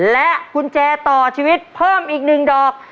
และกุญแจต่อชีวิตเพิ่มอีก๑ดอก